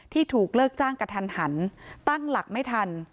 ถูกเลิกจ้างกระทันหันตั้งหลักไม่ทัน